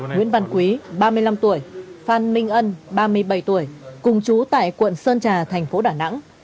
nguyễn văn quý ba mươi năm tuổi phan minh ân ba mươi bảy tuổi cùng chú tại quận sơn trà thành phố đà nẵng